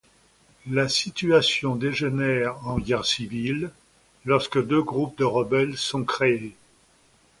La situation dégénère en guerre civile lorsque deux groupes de rebelles sont créés.